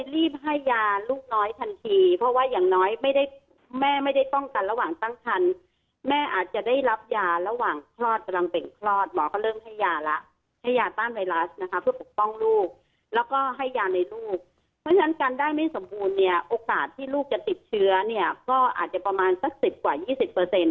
ที่อยู่ในท้องของคุณแม่ที่เจ็บเชื้อและไม่ได้รับการรักษาใดประมาณ๑ใน๔เด็กจะเจ็บเชื้อ